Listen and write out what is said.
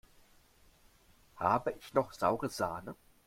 Habe ich noch saure Sahne?